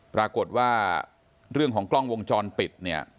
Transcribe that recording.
ปรากฏว่าเรื่องของกล้องวงจรปิดเนี่ย